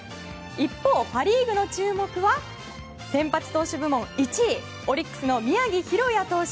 一方、パ・リーグの注目は先発投手部門１位オリックスの宮城大弥投手。